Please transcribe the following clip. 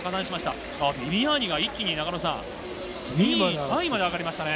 今、ビビアーニが一気に中野さん、２位タイまで上がりましたね。